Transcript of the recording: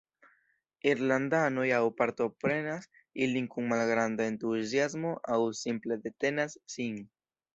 Irlandanoj aŭ partoprenas ilin kun malgranda entuziasmo aŭ simple detenas sin.